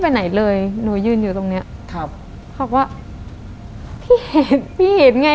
พี่เห็นเราเดินออกไปข้างนอกไน